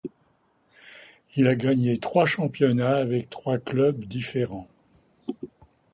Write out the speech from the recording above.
Il a gagné trois championnats avec trois clubs différents.